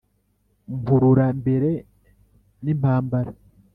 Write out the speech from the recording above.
mpurura mbere n'impambara